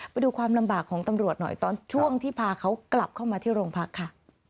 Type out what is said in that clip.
ไปดูความลำบากของตำรวจหน่อยตอนช่วงที่พาเขากลับเข้ามาที่โรงพักค่ะ